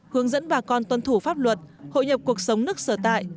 hướng dẫn bà con tuân thủ pháp luật hội nhập cuộc sống nước sở tại